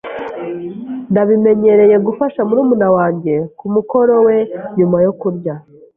Ndabimenyereye gufasha murumuna wanjye kumukoro we nyuma yo kurya.